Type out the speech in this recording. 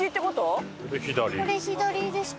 これ左ですか？